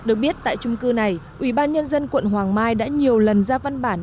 ở nơi này ubnd quận hoàng mai đã nhiều lần ra văn bản